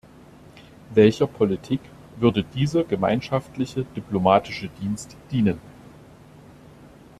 Welcher Politik würde dieser gemeinschaftliche diplomatische Dienst dienen?